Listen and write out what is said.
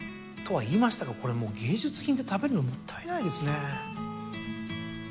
とは言いましたがこれもう芸術品で食べるのもったいないですね。